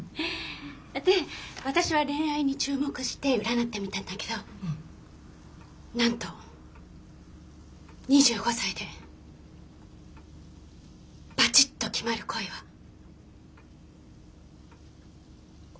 で私は恋愛に注目して占ってみたんだけどなんと２５歳でバチッと決まる恋は訪れないかも。